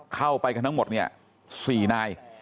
เข้าไปกันทั้งหมด๔นาย